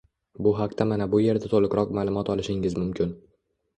Bu haqda mana bu yerda toʻliqroq maʼlumot olishingiz mumkin.